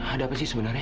ada apa sih sebenarnya